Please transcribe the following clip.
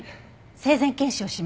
生前検視をします。